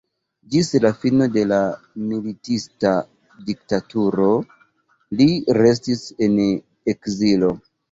Ĝis la fino de la militista diktaturo li restis en ekzilo.